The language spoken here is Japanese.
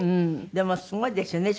でもすごいですよね